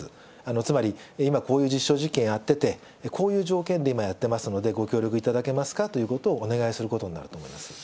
つまり、今、こういう実証実験をやってて、こういう条件で今やってますので、ご協力いただけますかということをお願いすることになると思いま